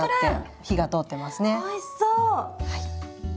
おいしそう。